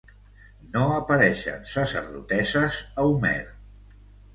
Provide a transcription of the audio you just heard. No apareixen sacerdotesses a Homer.